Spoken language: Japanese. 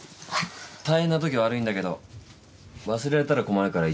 大変なとき悪いんだけど忘れられたら困るから一応言っとくね。